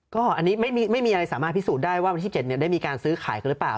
ก็อันนี้ไม่มีอะไรสามารถพิสูจน์ได้ว่าวันที่๗ได้มีการซื้อขายกันหรือเปล่า